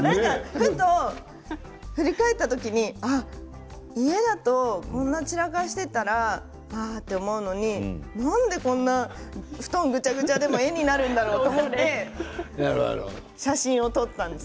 あと振り返った時に家だとこんなに散らかしていたらああと思うのになんでこんなに布団がぐちゃぐちゃでも絵になるんだろうと思って写真を撮ったんです。